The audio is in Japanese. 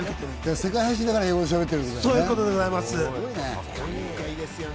世界配信だから英語でしゃべっているんだよね。